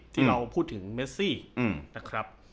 ที่เราพูดถึงเมซี่นะครับ